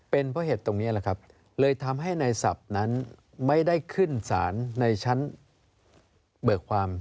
เป็นเพราะเหตุตรงนี้แหละครับเลยทำให้ในศัพท์นั้นไม่ได้ขึ้นสารในชั้นเบิกความ